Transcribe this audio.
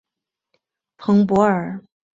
蓬波尔。